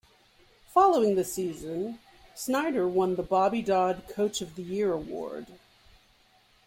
Following the season, Snyder won the Bobby Dodd Coach of the Year Award.